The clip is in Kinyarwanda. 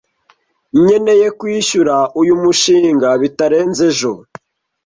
Nkeneye kwishyura uyu mushinga bitarenze ejo.